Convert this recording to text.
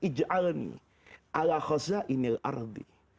ij'alni ala khazainil ardi